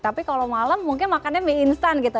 tapi kalau malam mungkin makannya mie instan gitu